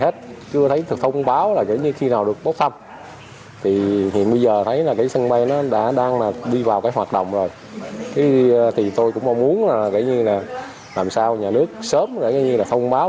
sân bay đã đi vào hoạt động rồi tôi cũng mong muốn làm sao nhà nước sớm thông báo